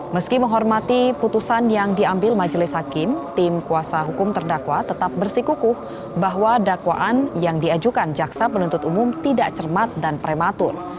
meski menghormati putusan yang diambil majelis hakim tim kuasa hukum terdakwa tetap bersikukuh bahwa dakwaan yang diajukan jaksa penuntut umum tidak cermat dan prematur